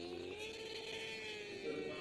olmay…